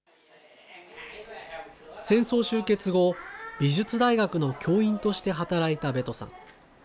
戦争終結後、美術大学の教員として働いたベトさん。